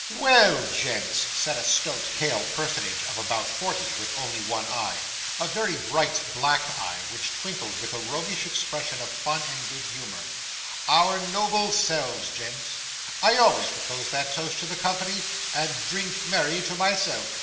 'Well, gents,' said a stout, hale personage of about forty, with only one eye a very bright black eye, which twinkled with a roguish expression of fun and good humour, 'our noble selves, gents. I always propose that toast to the company, and drink Mary to myself.